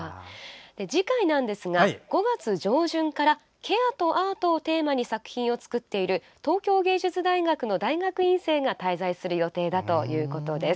次回は、５月上旬からケアとアートをテーマに作品を作っている東京芸術大学の大学院生が滞在する予定だということです。